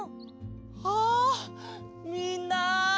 あみんな！